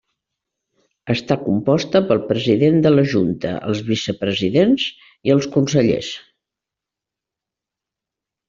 Està composta pel President de la Junta, els Vicepresidents i els Consellers.